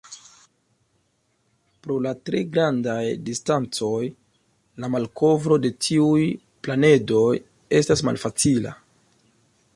Pro la tre grandaj distancoj, la malkovro de tiuj planedoj estas malfacila.